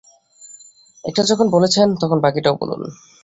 একটা যখন বলেছেন, তখন বাকিটাও বলুন।